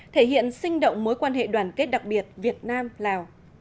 thể hiện sinh động mối quan hệ đoàn kết đặc biệt việt nam lào